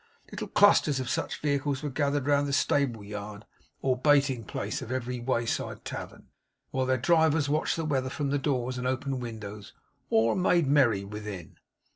Little clusters of such vehicles were gathered round the stable yard or baiting place of every wayside tavern; while their drivers watched the weather from the doors and open windows, or made merry within.